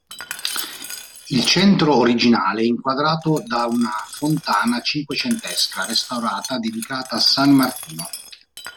Il centro originale è inquadrato da una fontana cinquecentesca restaurata, dedicata a San Martino.